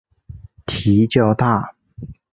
蹄较大。